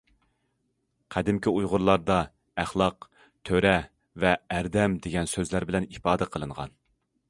قەدىمكى ئۇيغۇرلاردا ئەخلاق« تۆرە» ۋە« ئەردەم» دېگەن سۆزلەر بىلەن ئىپادە قىلىنغان.